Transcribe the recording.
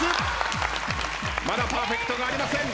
まだパーフェクトがありません。